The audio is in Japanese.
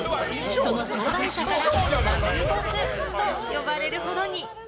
その壮大さからラスボスと呼ばれるほどに。